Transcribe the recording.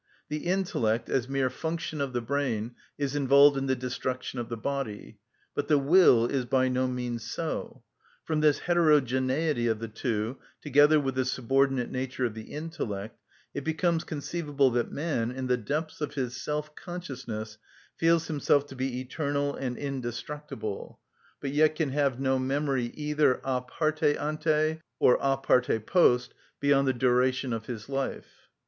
The intellect, as mere function of the brain, is involved in the destruction of the body, but the will is by no means so. From this heterogeneity of the two, together with the subordinate nature of the intellect, it becomes conceivable that man, in the depths of his self‐ consciousness, feels himself to be eternal and indestructible, but yet can have no memory, either a parte ante or a parte post, beyond the duration of his life.